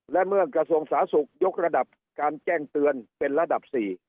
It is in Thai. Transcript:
และเมื่อกระทรวงสาธารณสุขยกระดับการแจ้งเตือนเป็นระดับ๔